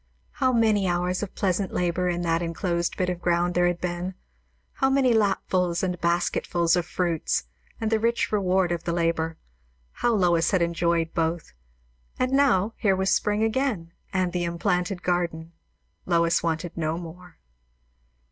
How many hours of pleasant labour in that enclosed bit of ground there had been; how many lapfuls and basketfuls of fruits the rich reward of the labour; how Lois had enjoyed both! And now, here was spring again, and the implanted garden. Lois wanted no more.